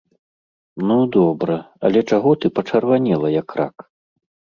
Ну, добра, але чаго ты пачырванела як рак!